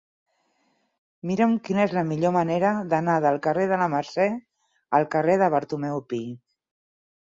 Mira'm quina és la millor manera d'anar del carrer de la Mercè al carrer de Bartomeu Pi.